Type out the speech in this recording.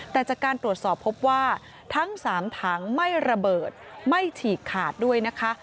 แต่จากการตรวจสอบพบว่าทั้ง๓ถังไม่ระเบิดไม่ฉีกขาดด้วยนะคะ